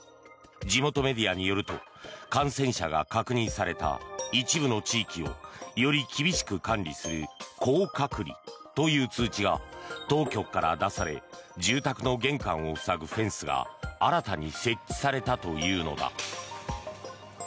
地元メディアによると感染者が確認された一部の地域をより厳しく管理する硬隔離という通知が当局から出され住宅の玄関を塞ぐフェンスが新たに設置されたというのだ。